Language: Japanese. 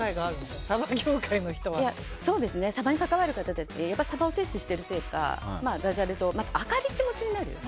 サバに関わる人たちはやっぱりサバを摂取しているせいかダジャレと、明るい気持ちになる。